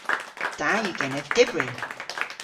Da yw genev dybri!